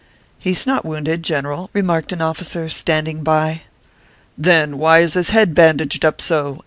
" He s not wounded, general," remarked an officer, standing by. " Then, why is his head bandaged up so